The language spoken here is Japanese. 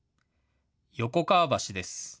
横川橋です。